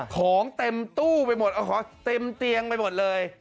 ของเต็มตู้ไปหมดเอาของเต็มเตียงไปหมดเลย